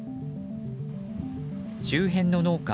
周辺の農家